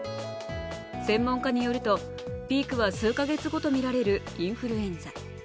専門家によると、ピークは数か月後とみられるインフルエンザ。